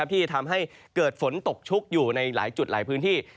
ที่ทำให้เกิดฝนตกชุกอยู่ในหลายจุดหลายพื้นที่